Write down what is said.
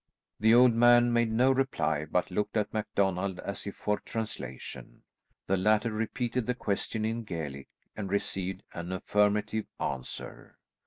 The old man made no reply, but looked at MacDonald as if for translation. The latter repeated the question in Gaelic and received an affirmative answer.